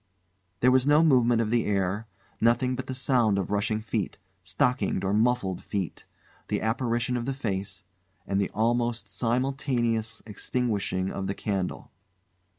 There was no movement of the air; nothing but the sound of rushing feet stockinged or muffled feet; the apparition of the face; and the almost simultaneous extinguishing of the candle.